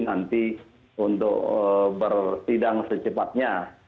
nanti untuk bertidang secepatnya